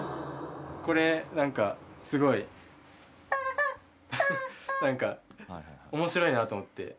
これなんかすごい。おもしろいなと思って。